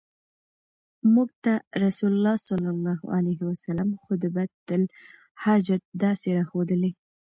مونږ ته رسول الله صلی الله عليه وسلم خُطْبَةَ الْحَاجَة داسي را ښودلي